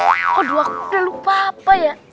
waduh aku udah lupa apa ya